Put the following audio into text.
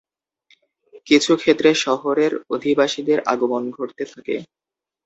কিছু ক্ষেত্রে শহরের অধিবাসীদের আগমন ঘটতে থাকে।